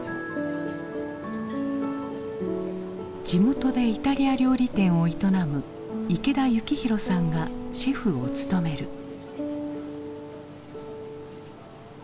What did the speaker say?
地元でイタリア料理店を営む池田征弘さんがシェフを務める。